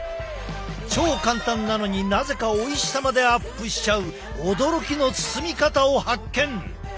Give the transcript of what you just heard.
超簡単なのになぜかおいしさまでアップしちゃう驚きの包み方を発見！